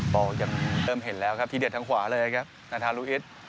ยังเริ่มเห็นแล้วครับทีเด็ดทางขวาเลยครับนาธารุอิต